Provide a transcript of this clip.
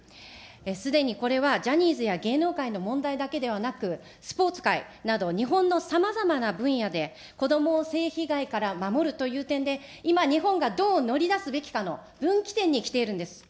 すでにこれはジャニーズや芸能界の問題だけではなく、スポーツ界など、日本のさまざまな分野で、子どもを性被害から守るという点で、今、日本がどう乗り出すべきかの分岐点に来ているんです。